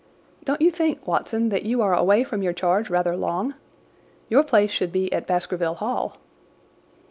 Don't you think, Watson, that you are away from your charge rather long? Your place should be at Baskerville Hall."